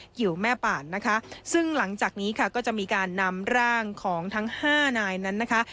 เกี่ยวแม่ป่านนะคะซึ่งหลังจากนี้ค่ะก็จะมีการนำร่างของทั้งห้านายนั้นนะคะ